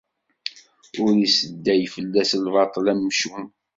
Ur isɛedday fell-as lbaṭel umcum.